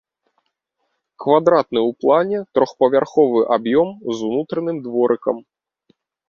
Квадратны ў плане трохпавярховы аб'ём з унутраным дворыкам.